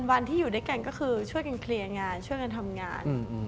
วันที่อยู่ด้วยกันก็คือช่วยกันเคลียร์งานช่วยกันทำงาน